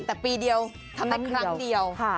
แต่ปีเดียวทำได้ครั้งเดียว